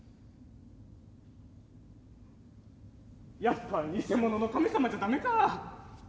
やっぱ偽物の神様じゃ駄目かあ。